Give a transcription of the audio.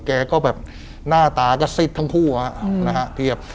แกก็หน้าตาก็ซิดทั้งคู่นะครับ